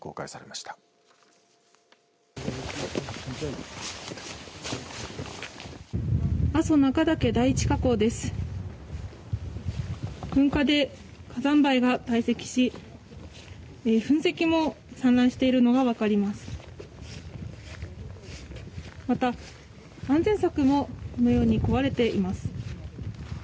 また安全柵もこのように壊れています。